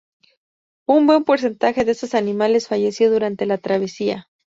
Un buen porcentaje de estos animales falleció durante la travesía.